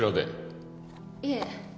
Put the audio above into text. いえ。